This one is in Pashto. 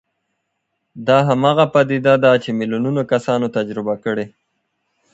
دا هماغه پديده ده چې ميليونونه کسانو تجربه کړې.